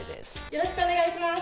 よろしくお願いします！